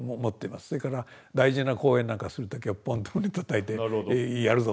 それから大事な講演なんかする時はポンと胸たたいてやるぞと。